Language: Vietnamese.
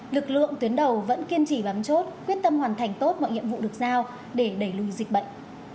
lực lượng tuyến đầu vẫn kiên trì bám chốt quyết tâm hoàn thành tốt mọi nhiệm vụ được giao để đẩy lùi dịch bệnh